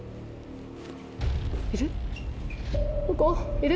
いる？